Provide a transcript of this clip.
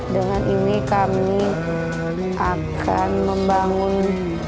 dengan ini kami akan membangun